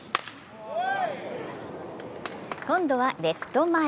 今度はレフト前。